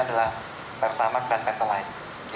adalah pertamak dan petelain